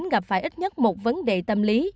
gặp phải ít nhất một vấn đề tâm lý